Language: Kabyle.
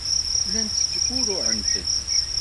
Llant ttgurruɛent-d.